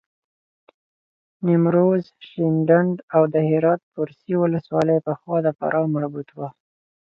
نیمروز، شینډنداو د هرات فرسي ولسوالۍ پخوا د فراه مربوط وه.